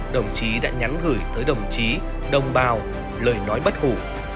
đồng chí đã nhắn gửi tới đồng chí đồng bào lời nói bất hủ